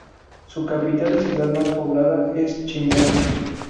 Su capital y ciudad más poblada es Chimbote.